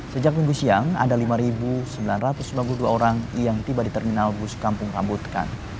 sejak minggu siang ada lima sembilan ratus sembilan puluh dua orang yang tiba di terminal bus kampung rambutkan